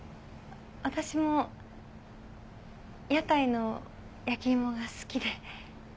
私も屋台の焼き芋が好きで。